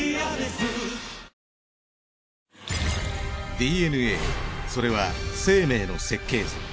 ＤＮＡそれは生命の設計図。